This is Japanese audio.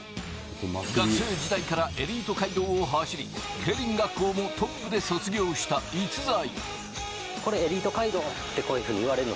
学生時代からエリート街道を走り、競輪学校もトップで卒業した逸材。